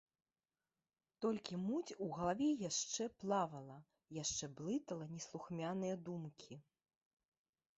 Толькі муць у галаве яшчэ плавала, яшчэ блытала неслухмяныя думкі.